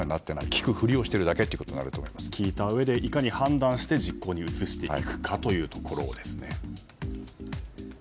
聞くふりをしているだけに聞いたうえでいかに判断して実行に移していくかというところですね。